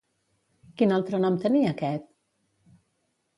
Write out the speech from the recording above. Quin altre nom tenia aquest?